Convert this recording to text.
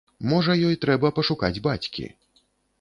Можа ёй трэба пашукаць бацькі.